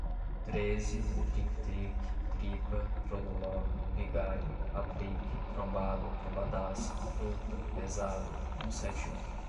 treze, tric-tric, tripa, trololó, vigário, aplique, trombada, trombadaça, truta, pesada, um sete um